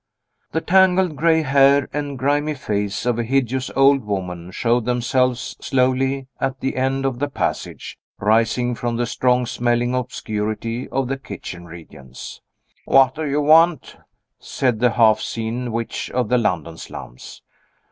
The tangled gray hair and grimy face of a hideous old woman showed themselves slowly at the end of the passage, rising from the strong smelling obscurity of the kitchen regions. "What do you want?" said the half seen witch of the London slums.